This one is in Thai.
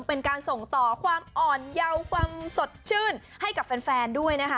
เป็นการส่งต่อความอ่อนเยาว์ความสดชื่นให้กับแฟนด้วยนะคะ